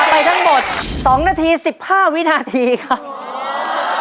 ไปทั้งหมดสองนาทีสิบห้าวินาทีครับ